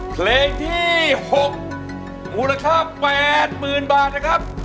เพลงที่๖มูลค่า๘๐๐๐บาทนะครับ